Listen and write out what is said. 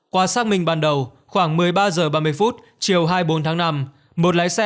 qua xác minh ban đầu khoảng một mươi ba h ba mươi chiều hai mươi bốn tháng năm một lái xe